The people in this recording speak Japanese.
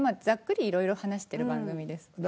ざっくりいろいろ話してる番組です。